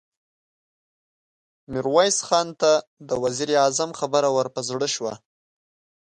ميرويس خان ته د وزير اعظم خبره ور په زړه شوه.